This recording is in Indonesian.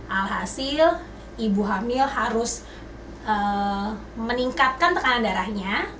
alhasil ibu hamil harus meningkatkan tekanan darahnya